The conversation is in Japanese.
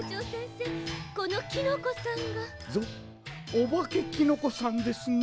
おばけキノコさんですね。